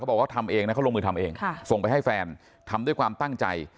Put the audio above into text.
บอกว่าทำเองนะเขาลงมือทำเองส่งไปให้แฟนทำด้วยความตั้งใจ